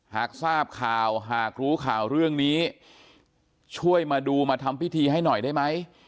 หากทราบข่าวหากรู้ข่าวเรื่องนี้ช่วยมาดูมาทำพิธีให้หน่อยได้ไหม